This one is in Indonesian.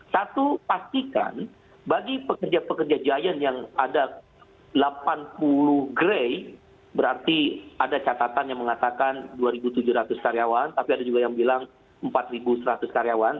satu pastikan bagi pekerja pekerja giant yang ada delapan puluh gray berarti ada catatan yang mengatakan dua tujuh ratus karyawan tapi ada juga yang bilang empat seratus karyawan